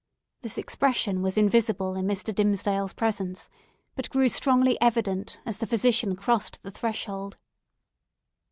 This expression was invisible in Mr. Dimmesdale's presence, but grew strongly evident as the physician crossed the threshold.